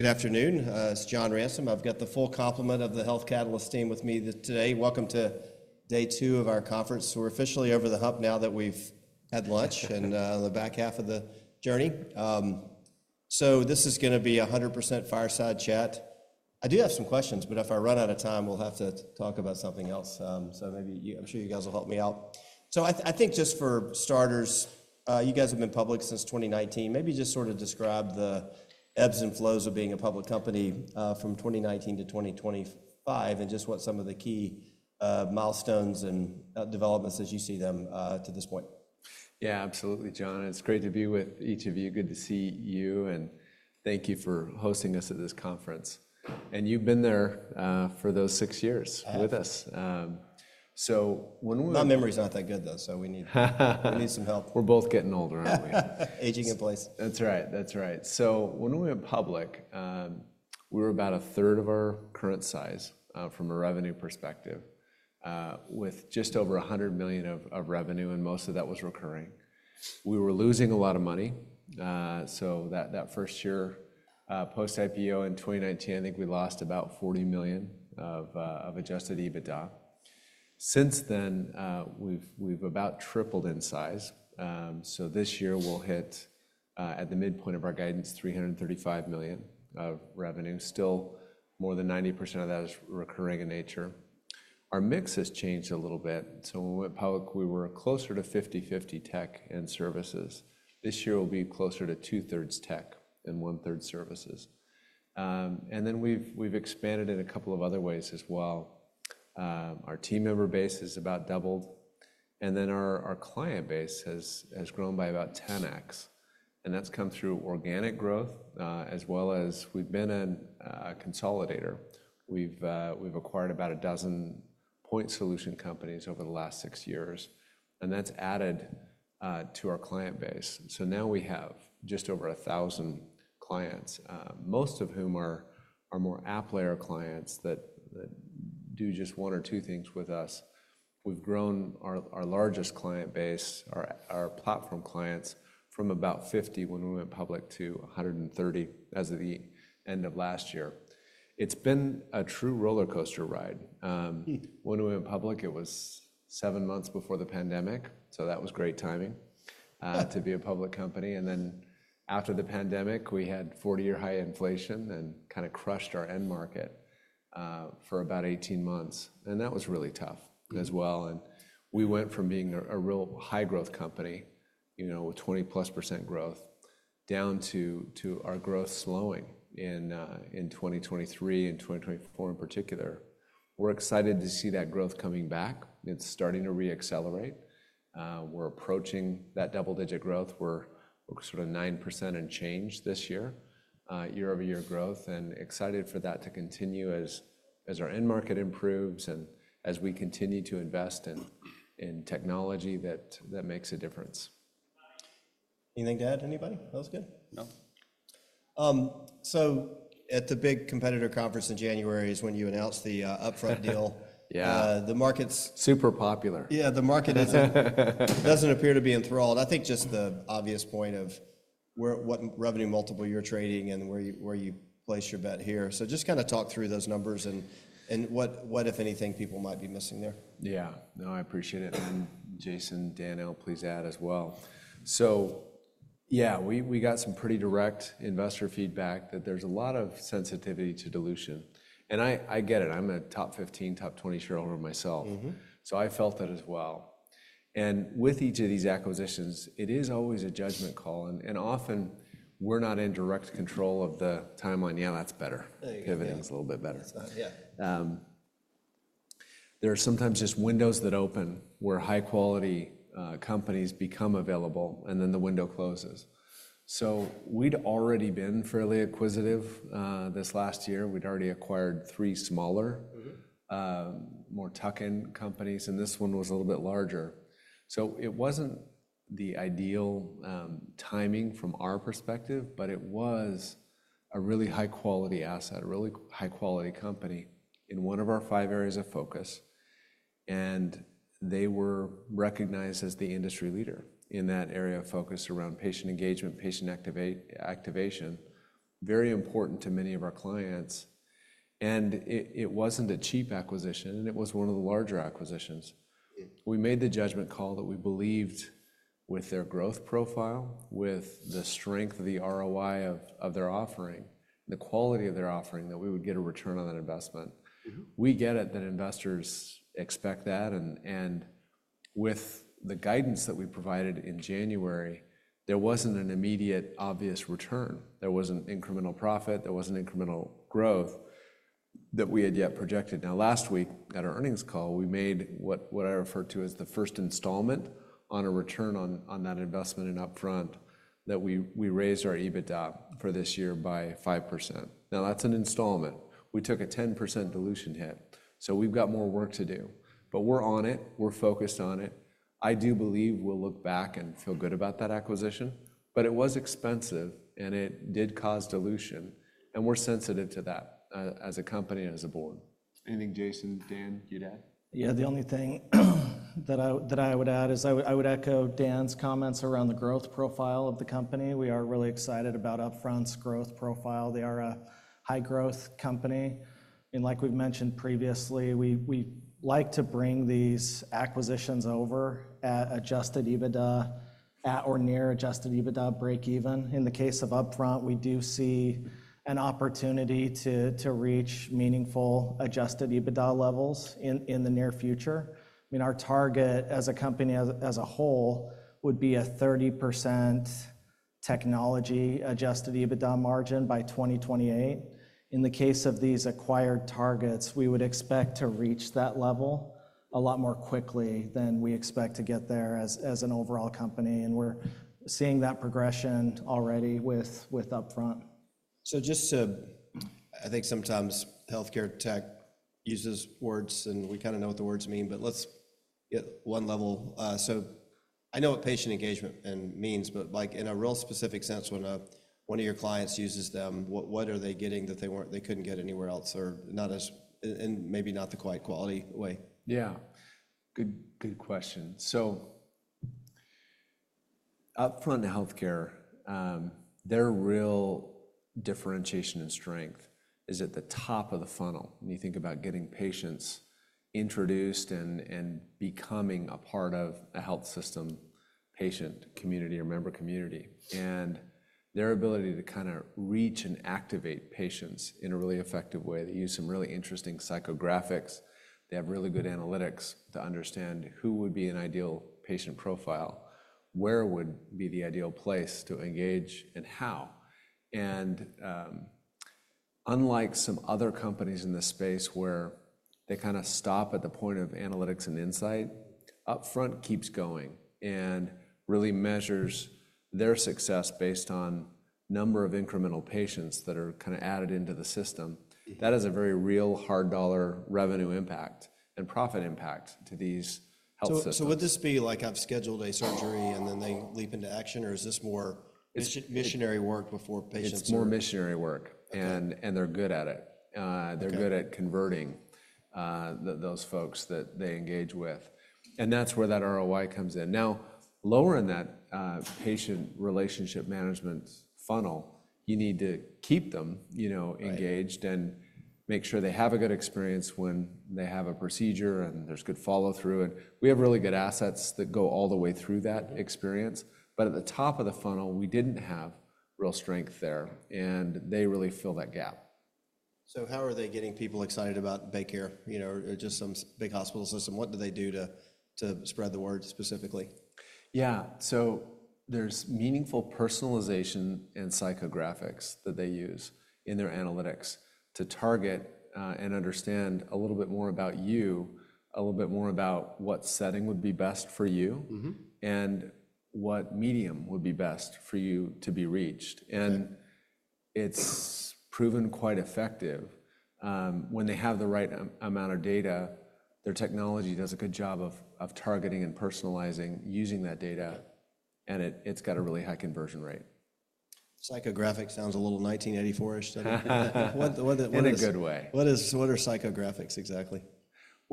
Good afternoon. It's John Ransom. I've got the full complement of the Health Catalyst team with me today. Welcome to day two of our conference. We're officially over the hump now that we've had lunch and the back half of the journey. This is going to be a 100% fireside chat. I do have some questions, but if I run out of time, we'll have to talk about something else. I'm sure you guys will help me out. I think just for starters, you guys have been public since 2019. Maybe just sort of describe the ebbs and flows of being a public company from 2019-2025 and just what some of the key milestones and developments as you see them to this point. Yeah, absolutely, John. It's great to be with each of you. Good to see you. Thank you for hosting us at this conference. You've been there for those six years with us. When we. My memory's not that good, though, so we need some help. We're both getting older, aren't we? Aging in place. That's right. That's right. When we went public, we were about a third of our current size from a revenue perspective, with just over $100 million of revenue, and most of that was recurring. We were losing a lot of money. That first year post-IPO in 2019, I think we lost about $40 million of adjusted EBITDA. Since then, we've about tripled in size. This year we'll hit, at the midpoint of our guidance, $335 million of revenue. Still, more than 90% of that is recurring in nature. Our mix has changed a little bit. When we went public, we were closer to 50/50 tech and services. This year we'll be closer to two-thirds tech and one-third services. We have expanded in a couple of other ways as well. Our team member base has about doubled, and then our client base has grown by about 10X. That's come through organic growth, as well as we've been a consolidator. We've acquired about a dozen point solution companies over the last six years, and that's added to our client base. Now we have just over 1,000 clients, most of whom are more app layer clients that do just one or two things with us. We've grown our largest client base, our platform clients, from about 50 when we went public to 130 as of the end of last year. It's been a true roller coaster ride. When we went public, it was seven months before the pandemic, so that was great timing to be a public company. After the pandemic, we had 40-year high inflation and kind of crushed our end market for about 18 months. That was really tough as well. We went from being a real high-growth company with 20-plus % growth down to our growth slowing in 2023 and 2024 in particular. We are excited to see that growth coming back. It is starting to reaccelerate. We are approaching that double-digit growth. We are sort of 9% and change this year, year-over-year growth, and excited for that to continue as our end market improves and as we continue to invest in technology that makes a difference. Anything to add, anybody? That was good. No. At the big competitor conference in January is when you announced the Upfront deal. The market's. Super popular. Yeah, the market doesn't appear to be enthralled. I think just the obvious point of what revenue multiple you're trading and where you place your bet here. Just kind of talk through those numbers and what, if anything, people might be missing there. Yeah. No, I appreciate it. Jason, Daniel, please add as well. Yeah, we got some pretty direct investor feedback that there's a lot of sensitivity to dilution. I get it. I'm a top 15, top 20 shareholder myself. I felt that as well. With each of these acquisitions, it is always a judgment call. Often we're not in direct control of the timeline. That's better. Pivoting's a little bit better. There are sometimes just windows that open where high-quality companies become available, and then the window closes. We'd already been fairly acquisitive this last year. We'd already acquired three smaller, more tuck-in companies, and this one was a little bit larger. It wasn't the ideal timing from our perspective, but it was a really high-quality asset, a really high-quality company in one of our five areas of focus. They were recognized as the industry leader in that area of focus around patient engagement, patient activation, very important to many of our clients. It was not a cheap acquisition, and it was one of the larger acquisitions. We made the judgment call that we believed with their growth profile, with the strength of the ROI of their offering, the quality of their offering, that we would get a return on that investment. We get it that investors expect that. With the guidance that we provided in January, there was not an immediate obvious return. There was not incremental profit. There was not incremental growth that we had yet projected. Last week at our earnings call, we made what I refer to as the first installment on a return on that investment in Upfront that we raised our EBITDA for this year by 5%. That is an installment. We took a 10% dilution hit. We have more work to do, but we're on it. We're focused on it. I do believe we'll look back and feel good about that acquisition, but it was expensive and it did cause dilution, and we're sensitive to that as a company and as a board. Anything, Jason, Dan, you'd add? Yeah, the only thing that I would add is I would echo Dan's comments around the growth profile of the company. We are really excited about Upfront's growth profile. They are a high-growth company. Like we've mentioned previously, we like to bring these acquisitions over at adjusted EBITDA at or near adjusted EBITDA break-even. In the case of Upfront, we do see an opportunity to reach meaningful adjusted EBITDA levels in the near future. I mean, our target as a company as a whole would be a 30% technology adjusted EBITDA margin by 2028. In the case of these acquired targets, we would expect to reach that level a lot more quickly than we expect to get there as an overall company. We're seeing that progression already with Upfront. Just to, I think sometimes healthcare tech uses words and we kind of know what the words mean, but let's get one level. I know what patient engagement means, but in a real specific sense, when one of your clients uses them, what are they getting that they couldn't get anywhere else or not as, and maybe not the quite quality way? Yeah. Good question. Upfront in healthcare, their real differentiation and strength is at the top of the funnel when you think about getting patients introduced and becoming a part of a health system patient community or member community. Their ability to kind of reach and activate patients in a really effective way. They use some really interesting psychographics. They have really good analytics to understand who would be an ideal patient profile, where would be the ideal place to engage, and how. Unlike some other companies in this space where they kind of stop at the point of analytics and insight, Upfront keeps going and really measures their success based on number of incremental patients that are kind of added into the system. That has a very real hard dollar revenue impact and profit impact to these health systems. Would this be like I've scheduled a surgery and then they leap into action, or is this more missionary work before patients? It's more missionary work. They're good at it. They're good at converting those folks that they engage with. That's where that ROI comes in. Now, lower in that patient relationship management funnel, you need to keep them engaged and make sure they have a good experience when they have a procedure and there's good follow-through. We have really good assets that go all the way through that experience. At the top of the funnel, we didn't have real strength there, and they really fill that gap. How are they getting people excited about BayCare, just some big hospital system? What do they do to spread the word specifically? Yeah. There is meaningful personalization and psychographics that they use in their analytics to target and understand a little bit more about you, a little bit more about what setting would be best for you, and what medium would be best for you to be reached. It is proven quite effective. When they have the right amount of data, their technology does a good job of targeting and personalizing using that data, and it has a really high conversion rate. Psychographics sounds a little 1984-ish. In a good way. What are psychographics exactly?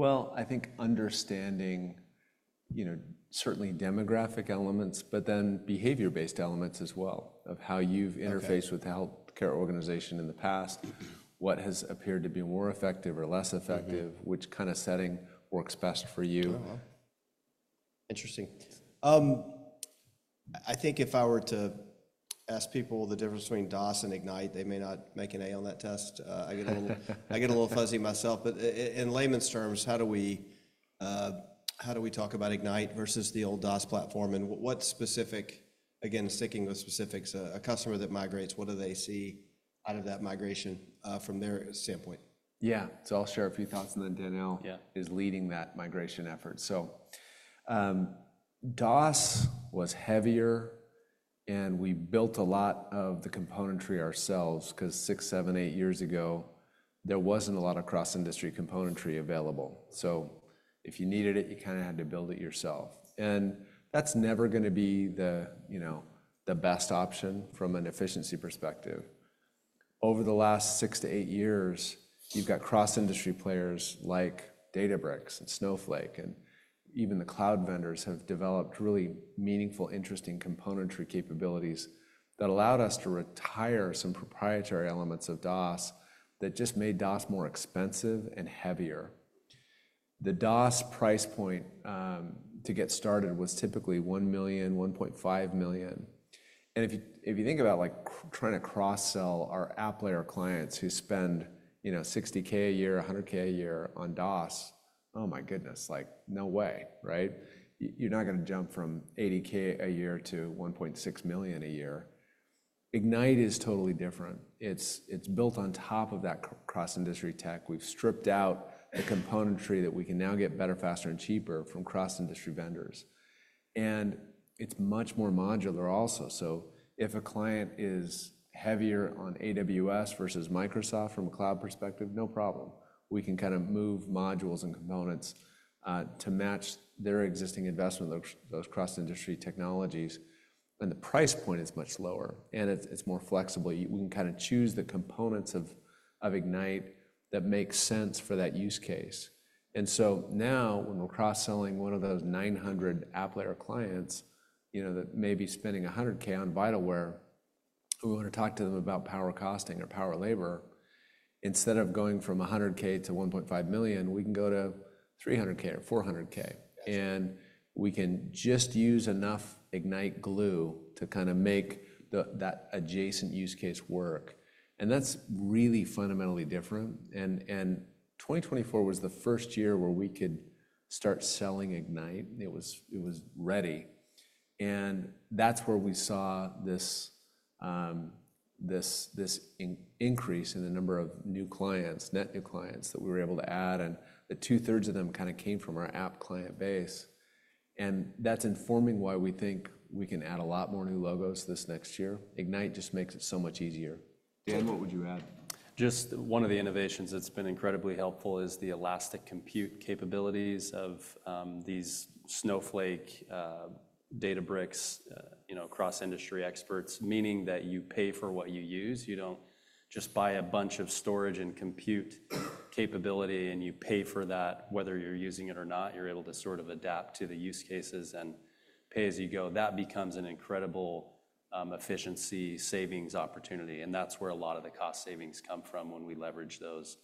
I think understanding certainly demographic elements, but then behavior-based elements as well of how you've interfaced with the healthcare organization in the past, what has appeared to be more effective or less effective, which kind of setting works best for you. Interesting. I think if I were to ask people the difference between DOS and Ignite, they may not make an A on that test. I get a little fuzzy myself. In layman's terms, how do we talk about Ignite versus the old DOS platform? What specific, again, sticking with specifics, a customer that migrates, what do they see out of that migration from their standpoint? Yeah. I'll share a few thoughts on that. Daniel is leading that migration effort. DOS was heavier, and we built a lot of the componentry ourselves because six, seven, eight years ago, there was not a lot of cross-industry componentry available. If you needed it, you kind of had to build it yourself. That is never going to be the best option from an efficiency perspective. Over the last six to eight years, you have cross-industry players like Databricks and Snowflake, and even the cloud vendors have developed really meaningful, interesting componentry capabilities that allowed us to retire some proprietary elements of DOS that just made DOS more expensive and heavier. The DOS price point to get started was typically $1 million-$1.5 million. If you think about trying to cross-sell our app layer clients who spend $60,000 a year, $100,000 a year on DOS, oh my goodness, no way, right? You're not going to jump from $80,000 a year to $1.6 million a year. Ignite is totally different. It's built on top of that cross-industry tech. We've stripped out the componentry that we can now get better, faster, and cheaper from cross-industry vendors. It's much more modular also. If a client is heavier on AWS versus Microsoft from a cloud perspective, no problem. We can kind of move modules and components to match their existing investment, those cross-industry technologies, and the price point is much lower, and it's more flexible. We can kind of choose the components of Ignite that make sense for that use case. Now when we're cross-selling one of those 900 app layer clients that may be spending $100,000 on VitalWare, we want to talk to them about PowerCosting or PowerLabor. Instead of going from $100,000-$1.5 million, we can go to $300,000 or $400,000. We can just use enough Ignite glue to kind of make that adjacent use case work. That's really fundamentally different. 2024 was the first year where we could start selling Ignite. It was ready. That's where we saw this increase in the number of new clients, net new clients that we were able to add. Two-thirds of them kind of came from our app client base. That's informing why we think we can add a lot more new logos this next year. Ignite just makes it so much easier. Dan, what would you add? Just one of the innovations that's been incredibly helpful is the elastic compute capabilities of these Snowflake, Databricks, cross-industry experts, meaning that you pay for what you use. You do not just buy a bunch of storage and compute capability, and you pay for that. Whether you are using it or not, you are able to sort of adapt to the use cases and pay as you go. That becomes an incredible efficiency savings opportunity. That is where a lot of the cost savings come from when we leverage those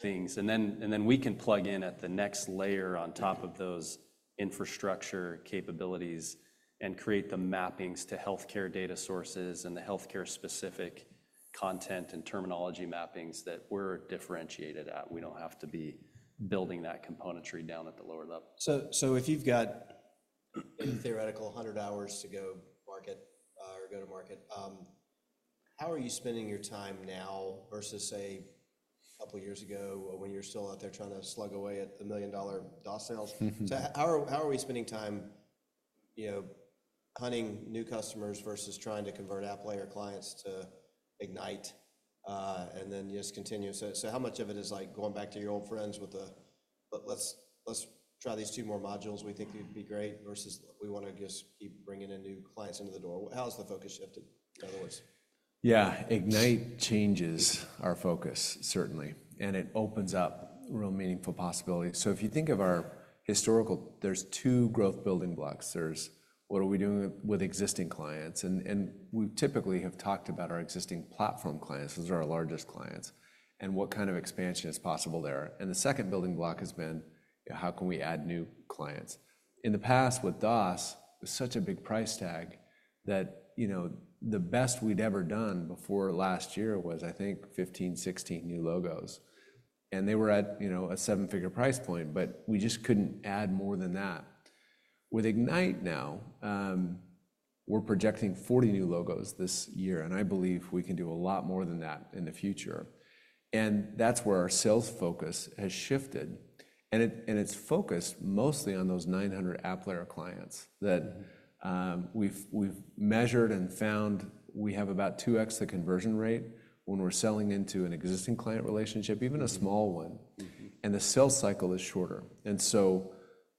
things. We can plug in at the next layer on top of those infrastructure capabilities and create the mappings to healthcare data sources and the healthcare-specific content and terminology mappings that we are differentiated at. We do not have to be building that componentry down at the lower level. If you've got theoretical 100 hours to go market or go to market, how are you spending your time now versus, say, a couple of years ago when you were still out there trying to slug away at a million-dollar DOS sales? How are we spending time hunting new customers versus trying to convert app layer clients to Ignite and then just continue? How much of it is like going back to your old friends with the, "Let's try these two more modules we think would be great," versus, "We want to just keep bringing in new clients into the door"? How has the focus shifted, in other words? Yeah. Ignite changes our focus, certainly, and it opens up real meaningful possibilities. If you think of our historical, there are two growth building blocks. There is what are we doing with existing clients? We typically have talked about our existing platform clients as our largest clients and what kind of expansion is possible there. The second building block has been, how can we add new clients? In the past, with DOS, it was such a big price tag that the best we had ever done before last year was, I think, 15, 16 new logos. They were at a seven-figure price point, but we just could not add more than that. With Ignite now, we are projecting 40 new logos this year, and I believe we can do a lot more than that in the future. That is where our sales focus has shifted. It is focused mostly on those 900 app layer clients that we have measured and found we have about 2x the conversion rate when we are selling into an existing client relationship, even a small one. The sales cycle is shorter.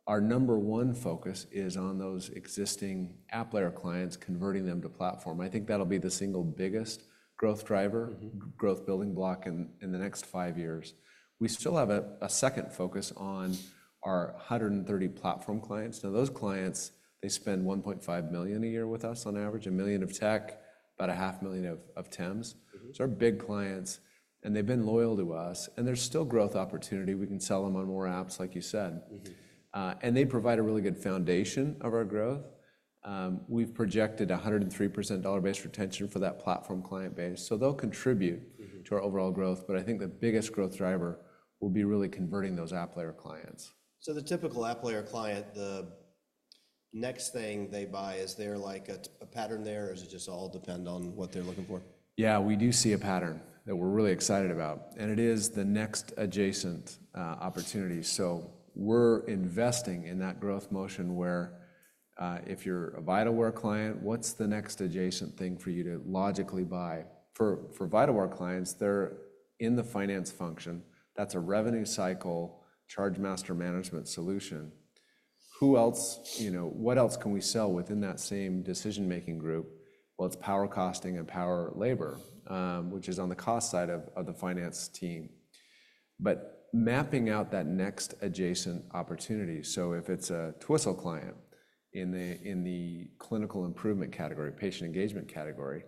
Our number one focus is on those existing app layer clients, converting them to platform. I think that will be the single biggest growth driver, growth building block in the next five years. We still have a second focus on our 130 platform clients. Now, those clients spend $1.5 million a year with us on average, $1 million of tech, about $500,000 of TEMS. They are big clients, and they have been loyal to us. There is still growth opportunity. We can sell them on more apps, like you said. They provide a really good foundation of our growth. We've projected a 103% dollar-based retention for that platform client base. They'll contribute to our overall growth. I think the biggest growth driver will be really converting those app layer clients. The typical app layer client, the next thing they buy, is there like a pattern there, or does it just all depend on what they're looking for? Yeah, we do see a pattern that we're really excited about. It is the next adjacent opportunity. We're investing in that growth motion where if you're a VitalWare client, what's the next adjacent thing for you to logically buy? For VitalWare clients, they're in the finance function. That's a revenue cycle charge master management solution. What else can we sell within that same decision-making group? It's Power Costing and Power Labor, which is on the cost side of the finance team. Mapping out that next adjacent opportunity, if it's a Twistle client in the clinical improvement category, patient engagement category,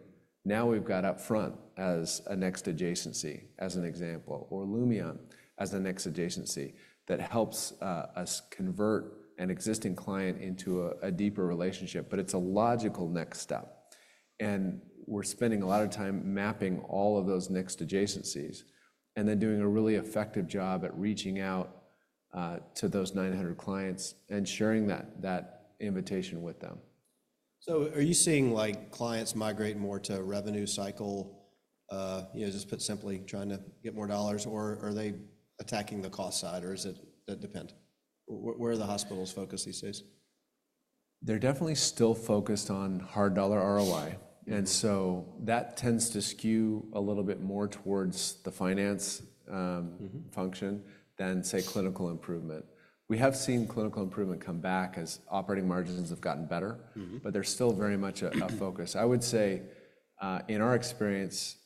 now we've got Upfront as a next adjacency, as an example, or Lumeon as the next adjacency that helps us convert an existing client into a deeper relationship. It's a logical next step. We're spending a lot of time mapping all of those next adjacencies and then doing a really effective job at reaching out to those 900 clients and sharing that invitation with them. Are you seeing clients migrate more to revenue cycle, just put simply, trying to get more dollars, or are they attacking the cost side, or does it depend? Where are the hospitals focused these days? They're definitely still focused on hard dollar ROI. That tends to skew a little bit more towards the finance function than, say, clinical improvement. We have seen clinical improvement come back as operating margins have gotten better, but they're still very much a focus. I would say, in our experience,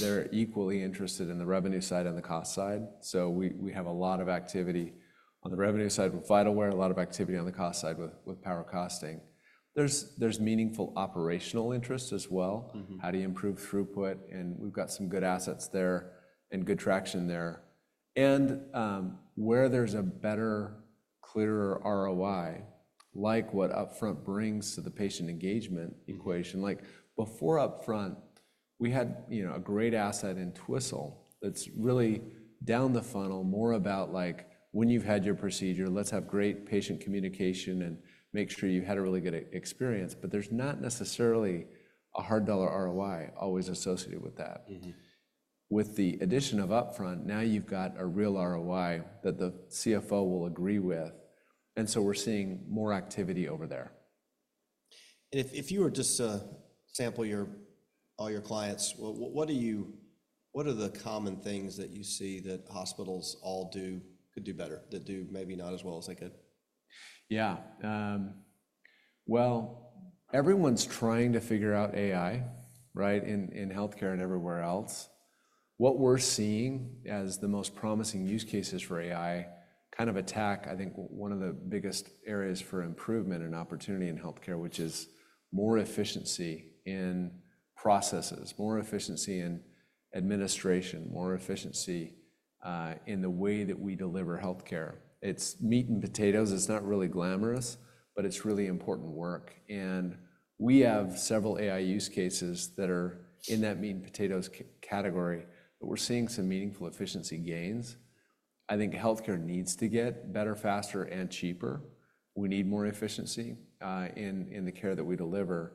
they're equally interested in the revenue side and the cost side. We have a lot of activity on the revenue side with VitalWare, a lot of activity on the cost side with Power Costing. There's meaningful operational interest as well. How do you improve throughput? We've got some good assets there and good traction there. Where there's a better, clearer ROI, like what Upfront brings to the patient engagement equation. Before Upfront, we had a great asset in Twistle that's really down the funnel, more about when you've had your procedure, let's have great patient communication and make sure you had a really good experience. There's not necessarily a hard dollar ROI always associated with that. With the addition of Upfront, now you've got a real ROI that the CFO will agree with. We are seeing more activity over there. If you were just to sample all your clients, what are the common things that you see that hospitals all could do better, that do maybe not as well as they could? Yeah. Everyone's trying to figure out AI, right, in healthcare and everywhere else. What we're seeing as the most promising use cases for AI kind of attack, I think, one of the biggest areas for improvement and opportunity in healthcare, which is more efficiency in processes, more efficiency in administration, more efficiency in the way that we deliver healthcare. It's meat and potatoes. It's not really glamorous, but it's really important work. We have several AI use cases that are in that meat and potatoes category, but we're seeing some meaningful efficiency gains. I think healthcare needs to get better, faster, and cheaper. We need more efficiency in the care that we deliver.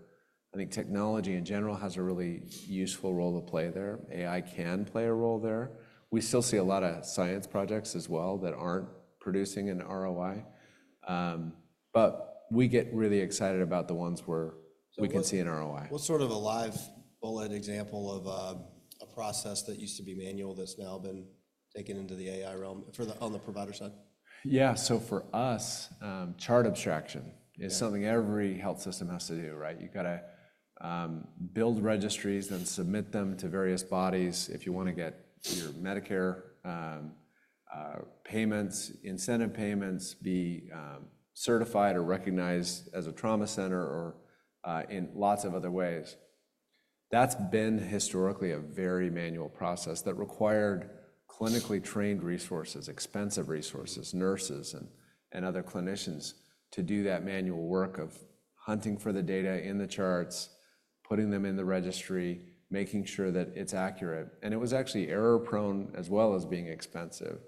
I think technology, in general, has a really useful role to play there. AI can play a role there. We still see a lot of science projects as well that aren't producing an ROI. We get really excited about the ones we can see an ROI. What's sort of a live bullet example of a process that used to be manual that's now been taken into the AI realm on the provider side? Yeah. For us, chart abstraction is something every health system has to do, right? You've got to build registries, then submit them to various bodies if you want to get your Medicare payments, incentive payments, be certified or recognized as a trauma center or in lots of other ways. That's been historically a very manual process that required clinically trained resources, expensive resources, nurses, and other clinicians to do that manual work of hunting for the data in the charts, putting them in the registry, making sure that it's accurate. It was actually error-prone as well as being expensive.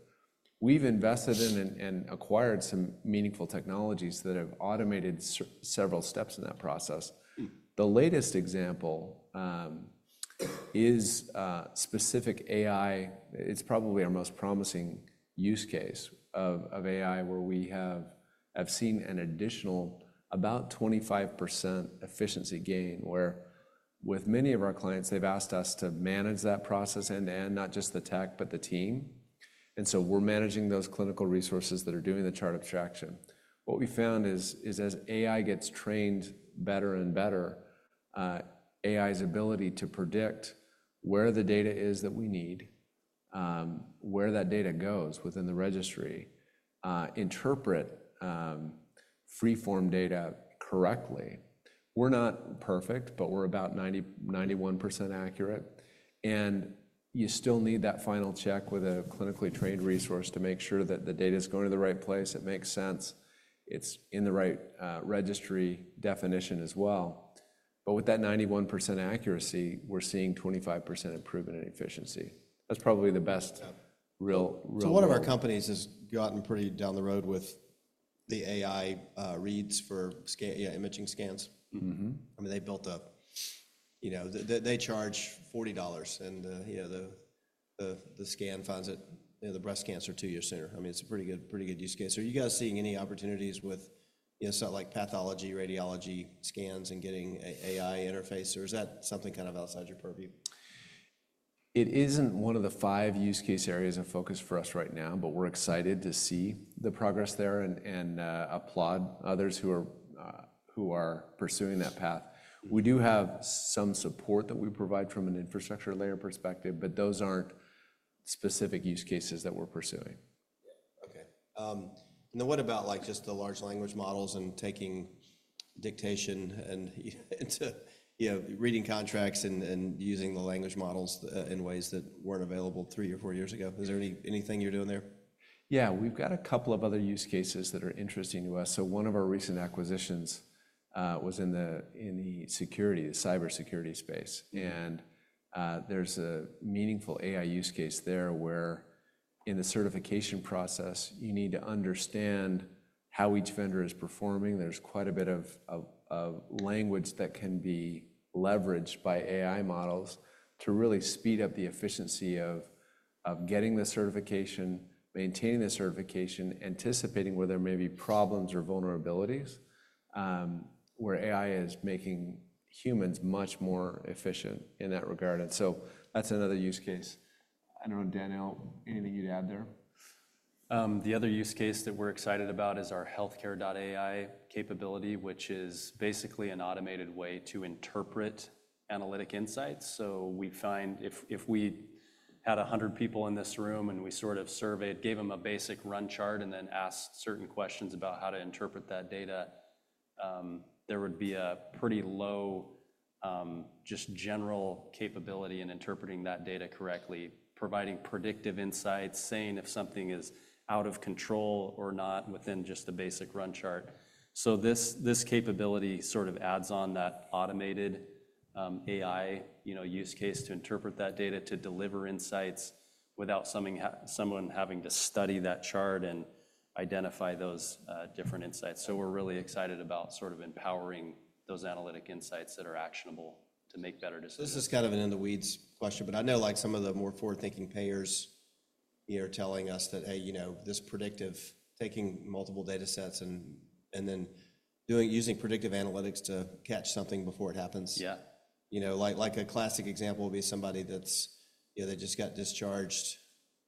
We've invested in and acquired some meaningful technologies that have automated several steps in that process. The latest example is specific AI. It's probably our most promising use case of AI where we have seen an additional about 25% efficiency gain, where with many of our clients, they've asked us to manage that process end-to-end, not just the tech, but the team. We're managing those clinical resources that are doing the chart abstraction. What we found is, as AI gets trained better and better, AI's ability to predict where the data is that we need, where that data goes within the registry, interpret free-form data correctly. We're not perfect, but we're about 91% accurate. You still need that final check with a clinically trained resource to make sure that the data is going to the right place. It makes sense. It's in the right registry definition as well. With that 91% accuracy, we're seeing 25% improvement in efficiency. That's probably the best real result. One of our companies has gotten pretty down the road with the AI reads for imaging scans. I mean, they charge $40, and the scan finds the breast cancer two years sooner. I mean, it's a pretty good use case. Are you guys seeing any opportunities with stuff like pathology, radiology scans, and getting an AI interface, or is that something kind of outside your purview? It isn't one of the five use case areas of focus for us right now, but we're excited to see the progress there and applaud others who are pursuing that path. We do have some support that we provide from an infrastructure layer perspective, but those aren't specific use cases that we're pursuing. Yeah. Okay. What about just the large language models and taking dictation and reading contracts and using the language models in ways that were not available three or four years ago? Is there anything you are doing there? Yeah. We've got a couple of other use cases that are interesting to us. One of our recent acquisitions was in the cybersecurity space. There's a meaningful AI use case there where, in the certification process, you need to understand how each vendor is performing. There's quite a bit of language that can be leveraged by AI models to really speed up the efficiency of getting the certification, maintaining the certification, anticipating where there may be problems or vulnerabilities, where AI is making humans much more efficient in that regard. That's another use case. I don't know, Daniel, anything you'd add there? The other use case that we're excited about is our healthcare.ai capability, which is basically an automated way to interpret analytic insights. We find if we had 100 people in this room and we sort of surveyed, gave them a basic run chart, and then asked certain questions about how to interpret that data, there would be a pretty low just general capability in interpreting that data correctly, providing predictive insights, saying if something is out of control or not within just the basic run chart. This capability sort of adds on that automated AI use case to interpret that data to deliver insights without someone having to study that chart and identify those different insights. We're really excited about sort of empowering those analytic insights that are actionable to make better decisions. This is kind of an in-the-weeds question, but I know some of the more forward-thinking payers are telling us that, hey, this predictive, taking multiple data sets and then using predictive analytics to catch something before it happens. Yeah. Like a classic example would be somebody that just got discharged.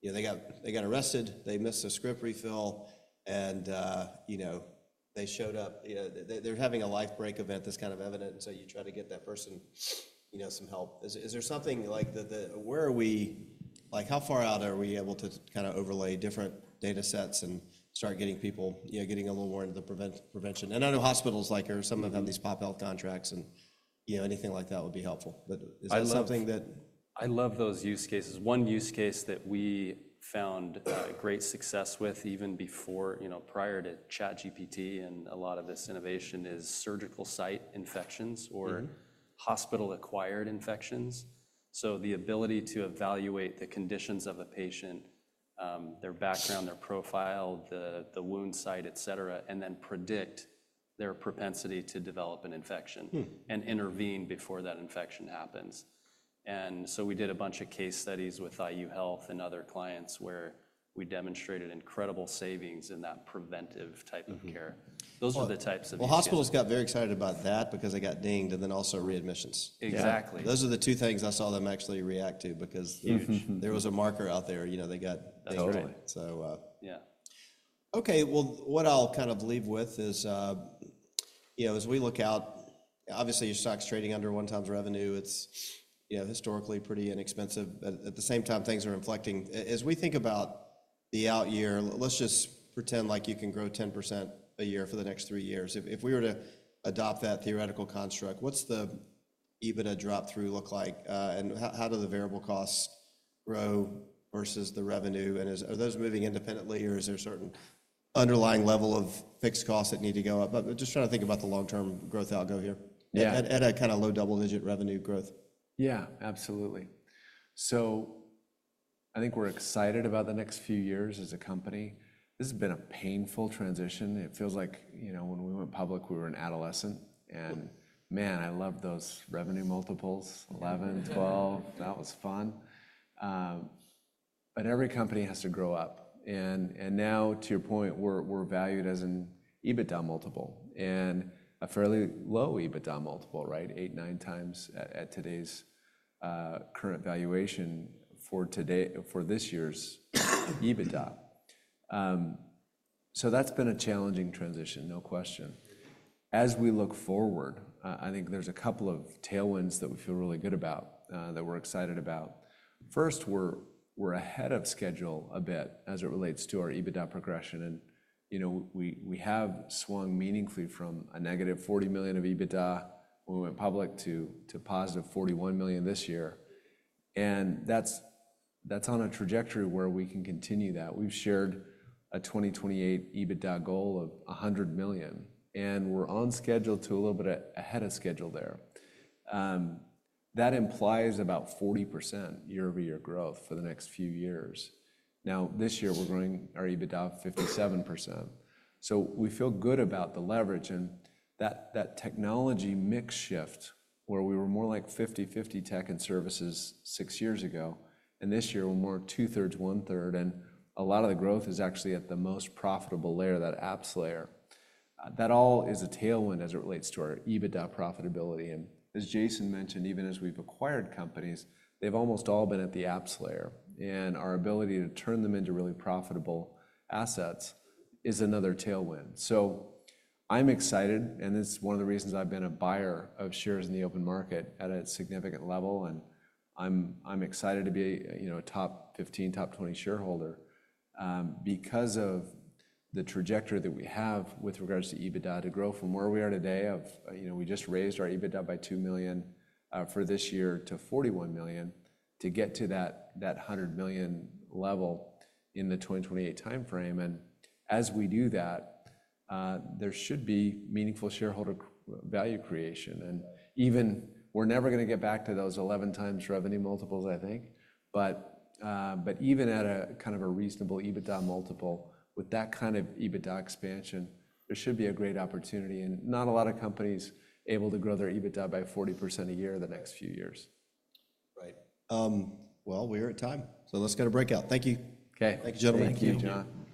They got arrested. They missed a script refill, and they showed up. They're having a life break event that's kind of evident, and so you try to get that person some help. Is there something like the, how far out are we able to kind of overlay different data sets and start getting people getting a little more into the prevention? I know hospitals like are some of them have these pop-out contracts, and anything like that would be helpful. Is there something that? I love those use cases. One use case that we found great success with, even prior to ChatGPT and a lot of this innovation, is surgical site infections or hospital-acquired infections. The ability to evaluate the conditions of a patient, their background, their profile, the wound site, etc., and then predict their propensity to develop an infection and intervene before that infection happens. We did a bunch of case studies with IU Health and other clients where we demonstrated incredible savings in that preventive type of care. Those are the types of uses. Hospitals got very excited about that because they got dinged and then also readmissions. Exactly. Those are the two things I saw them actually react to because there was a marker out there. They got. Totally. Yeah. Okay. What I'll kind of leave with is, as we look out, obviously, your stock's trading under one time's revenue. It's historically pretty inexpensive. At the same time, things are inflecting. As we think about the out year, let's just pretend like you can grow 10% a year for the next three years. If we were to adopt that theoretical construct, what's the EBITDA drop-through look like? How do the variable costs grow versus the revenue? Are those moving independently, or is there a certain underlying level of fixed costs that need to go up? Just trying to think about the long-term growth algo here, at a kind of low double-digit revenue growth. Yeah, absolutely. I think we're excited about the next few years as a company. This has been a painful transition. It feels like when we went public, we were an adolescent. Man, I love those revenue multiples. 11, 12. That was fun. Every company has to grow up. Now, to your point, we're valued as an EBITDA multiple and a fairly low EBITDA multiple, right? Eight, nine times at today's current valuation for this year's EBITDA. That's been a challenging transition, no question. As we look forward, I think there's a couple of tailwinds that we feel really good about that we're excited about. First, we're ahead of schedule a bit as it relates to our EBITDA progression. We have swung meaningfully from a negative $40 million of EBITDA when we went public to positive $41 million this year. That is on a trajectory where we can continue that. We have shared a 2028 EBITDA goal of $100 million, and we are on schedule to a little bit ahead of schedule there. That implies about 40% year-over-year growth for the next few years. This year, we are growing our EBITDA 57%. We feel good about the leverage. That technology mix shift, where we were more like 50/50 tech and services six years ago, and this year, we are more two-thirds, one-third. A lot of the growth is actually at the most profitable layer, that apps layer. That all is a tailwind as it relates to our EBITDA profitability. As Jason mentioned, even as we have acquired companies, they have almost all been at the apps layer. Our ability to turn them into really profitable assets is another tailwind. I'm excited, and it's one of the reasons I've been a buyer of shares in the open market at a significant level. I'm excited to be a top 15, top 20 shareholder because of the trajectory that we have with regards to EBITDA to grow from where we are today. We just raised our EBITDA by $2 million for this year to $41 million to get to that $100 million level in the 2028 timeframe. As we do that, there should be meaningful shareholder value creation. Even if we're never going to get back to those 11 times revenue multiples, I think, even at a kind of a reasonable EBITDA multiple, with that kind of EBITDA expansion, there should be a great opportunity. Not a lot of companies are able to grow their EBITDA by 40% a year the next few years. Right. We are at time. Let's get a breakout. Thank you. Okay. Thank you, gentlemen. Thank you, John.